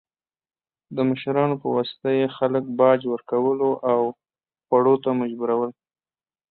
د مشرانو په واسطه یې خلک باج ورکولو او خوړو ته مجبورول.